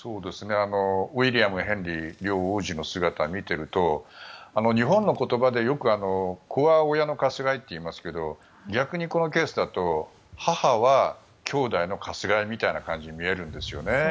ウィリアム、ヘンリー両王子の姿を見ていると日本の言葉で、よく子は親のかすがいって言いますけど逆にこのケースだと母は兄弟のかすがいみたいに見えるんですよね。